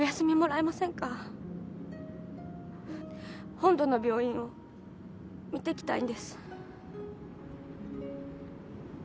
本土の病院を見てきたいんです。